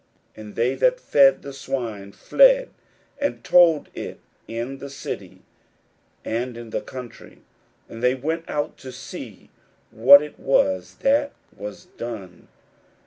41:005:014 And they that fed the swine fled, and told it in the city, and in the country. And they went out to see what it was that was done.